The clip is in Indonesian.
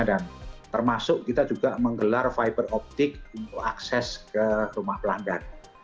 dan termasuk kita juga menggelar vibe optik untuk akses ke rumah pelanggan